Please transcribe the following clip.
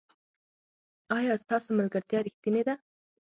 ایا ستاسو ملګرتیا ریښتینې ده؟